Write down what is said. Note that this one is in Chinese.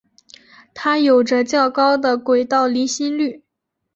它有着较高的轨道离心率。